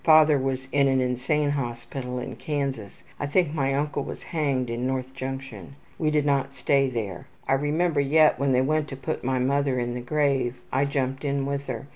Father was in an insane hospital in Kansas. I think my uncle was hanged at N. Junction. We did not stay there. I remember yet when they went to put my mother in the grave. I jumped in with her.